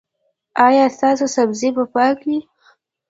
ایا ستاسو سبزي به پاکه وي؟